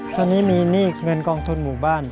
ตอนนี้มีหนี้เงินกองทุนหมู่บ้าน